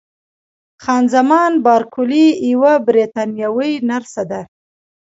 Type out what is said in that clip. خان زمان بارکلي یوه بریتانوۍ نرسه ده.